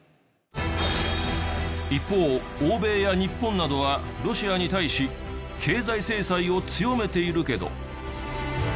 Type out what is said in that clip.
一方欧米や日本などはロシアに対し経済制裁を強めているけど。